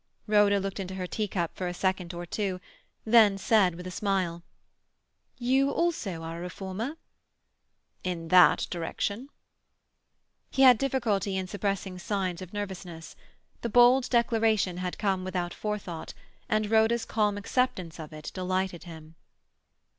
Rhoda looked into her teacup for a second or two, then said with a smile,— "You also are a reformer?" "In that direction." He had difficulty in suppressing signs of nervousness. The bold declaration had come without forethought, and Rhoda's calm acceptance of it delighted him.